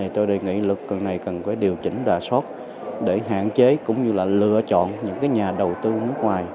tôi đề nghị luật này cần điều chỉnh đà sót để hạn chế cũng như lựa chọn những nhà đầu tư nước ngoài